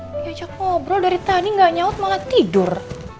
diajak ngobrol dari tani gak nyaut malah tidur